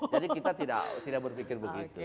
jadi kita tidak berpikir begitu